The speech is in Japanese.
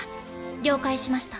了解しました。